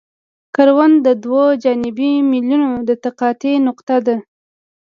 کرون د دوه جانبي میلونو د تقاطع نقطه ده